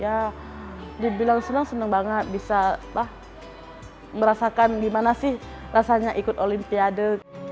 ya dibilang senang senang banget bisa merasakan gimana sih rasanya ikut olimpiade